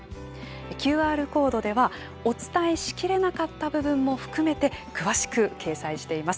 ＱＲコードではお伝えし切れなかった部分も含めて詳しく掲載しています。